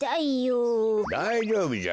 だいじょうぶじゃ。